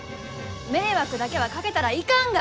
迷惑だけはかけたらいかんが！